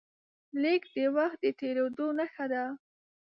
لیک د وخت د تېرېدو نښه ده.